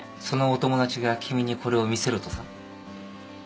そのお友達が君にこれを見せろとさ。